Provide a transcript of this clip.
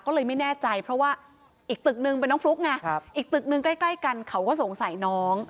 ก็เลยไม่แน่ใจเพราะว่าอีกตึกนึงเป็นน้องฟลุ๊กไงอีกตึกนึงใกล้กันเขาก็สงสัยน้อง